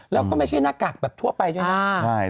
แล้วก็ไม่ใช่หน้ากากแบบทั่วไปด้วยนะ